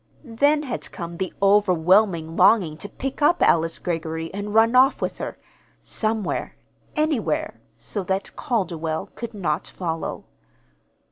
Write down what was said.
Then had come the overwhelming longing to pick up Alice Greggory and run off with her somewhere, anywhere, so that Calderwell could not follow.